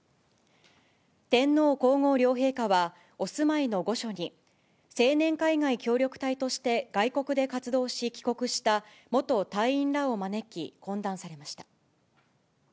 天皇皇后両陛下は、お住まいの御所に、青年海外協力隊として外国で活動し、帰国した元隊員らを招き、懇談されました。